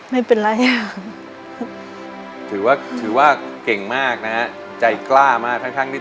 ไม่เป็นไรถือว่าถือว่าเก่งมากนะฮะใจกล้ามากทั้งทั้งที่